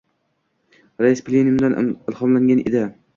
Rais plenumidan ilhomlangan edi.